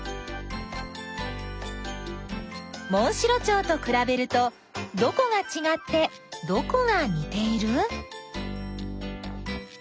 モンシロチョウとくらべるとどこがちがってどこがにている？